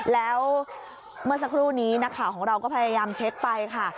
แล้วเมื่อสักครู่นี้นักข่าวของเราก็พยายามเช็คไปค่ะ